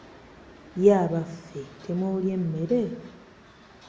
Ye abaffe, temuulye mmere?